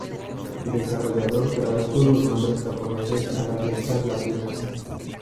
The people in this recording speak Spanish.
El desarrollador tradujo los nombres japoneses a las letras latinas.